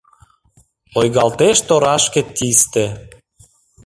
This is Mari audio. Лойгалтеш торашке тисте